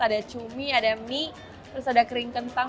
ada cumi ada mie terus ada kering kentang